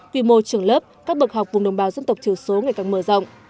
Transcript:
quy mô trường lớp các bậc học vùng đồng bào dân tộc thiểu số ngày càng mở rộng